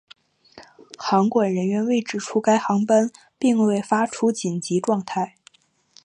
航管人员指出该航班并未发出紧急状态。